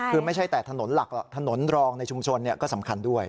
คือไม่ใช่แต่ถนนหลักหรอกถนนรองในชุมชนก็สำคัญด้วย